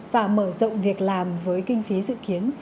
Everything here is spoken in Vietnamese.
và mở rộng việc làm với kinh phí dự kiến